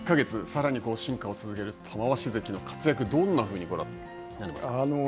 さらに進化を続ける玉鷲関の活躍、どんなふうにご覧になりますか。